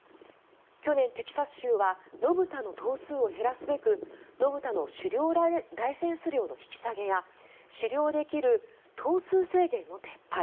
去年、テキサス州は野豚の頭数を減らすべく野豚の狩猟ライセンス料の引き下げや狩猟できる頭数制限の撤廃